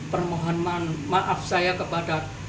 permohonan maaf saya kepada